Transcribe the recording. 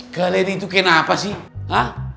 kalian itu kenapa sih